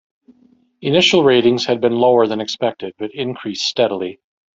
Initial ratings had been lower than expected but increased steadily.